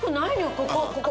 ここここ！